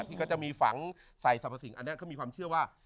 ที่ก็จะมีฝังใส่สรรพสิ่งอันนี้เขามีความเชื่อว่า